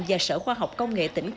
và sở khoa học công nghệ tỉnh hà nội